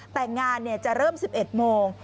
แต่งานจะเริ่ม๑๑โมง